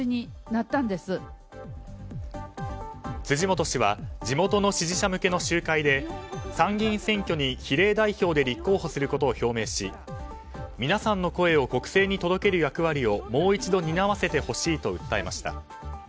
辻元氏は地元の支持者向けの集会で参議院選挙に比例代表で立候補することを表明し、皆さんの声を国政に届ける役割をもう一度担わせてほしいと訴えました。